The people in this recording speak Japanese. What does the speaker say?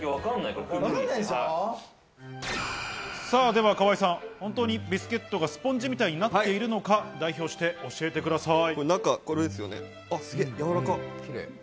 さぁ河合さん、ホントにビスケットがスポンジみたいになっているのか、代表して教えてください。